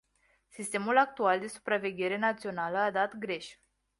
Sistemul actual de supraveghere națională a dat greș.